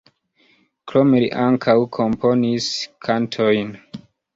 Krome li ankaŭ komponis kantojn.